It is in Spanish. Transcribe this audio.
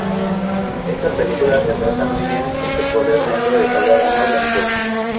Esta película retrata muy bien este poder dentro de cada uno de nosotros.